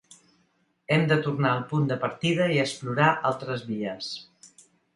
Hem de tornar al punt de partida i explorar altres vies.